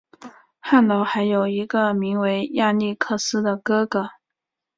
翰劳还有一个名为亚历克斯的哥哥。